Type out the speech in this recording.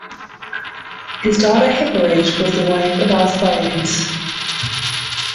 His daughter Hipparete was the wife of Alcibiades.